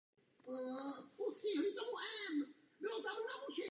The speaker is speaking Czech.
Kromě jmenovaných zemí se používají ještě v Argentině.